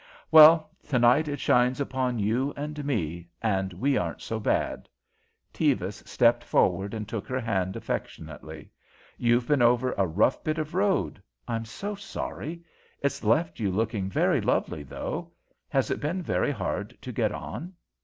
"Well, tonight it shines upon you and me, and we aren't so bad." Tevis stepped forward and took her hand affectionately. "You've been over a rough bit of road. I'm so sorry. It's left you looking very lovely, though. Has it been very hard to get on?"